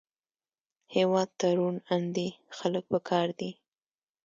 هېواد ته روڼ اندي خلک پکار دي